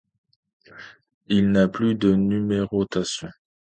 Il n'a plus de numérotation.